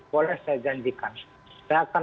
boleh saya janjikan saya akan